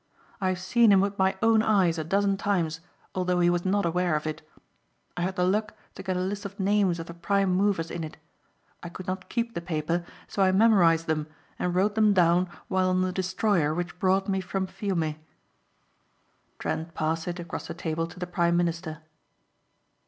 I have seen him with my own eyes a dozen times although he was not aware of it. I had the luck to get a list of names of the prime movers in it. I could not keep the paper so I memorized them and wrote them down while on the destroyer which brought me from Fiume." Trent passed it across the table to the prime minister.